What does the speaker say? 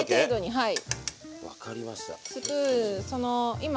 はい。